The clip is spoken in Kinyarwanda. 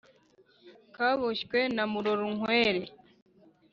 Kaboshywe na muroronkwere